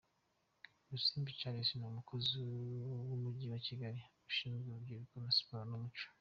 Rusimbi Charles, ni umukozi w’Umujyi wa Kigali Ushinzwe Urubyiruko, Siporo n’Umuco.